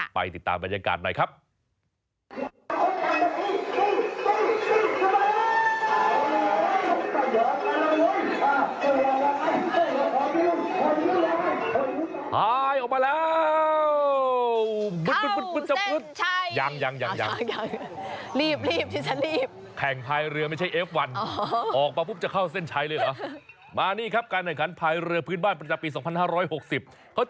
ไปติดตามบรรยากาศหน่อยครับ